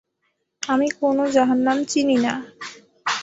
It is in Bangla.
আমি কোন জাহান্নাম চিনি না।